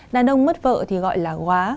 đàn ông mất vợ thì gọi là quá